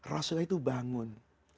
rasulullah itu bangun